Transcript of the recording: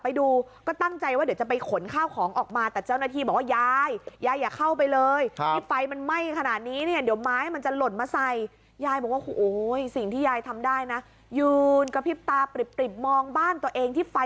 เป็นหลังที่สอง